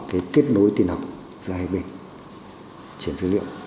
kết nối tiền học ra hai bên chuyển dữ liệu